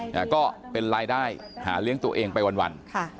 แต่ก็เป็นรายได้หาเลี้ยงตัวเองไปวันค่ะ